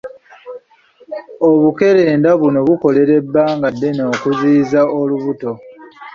Obukerenda buno bukolera ebbanga ddene okuziyiza olubuto.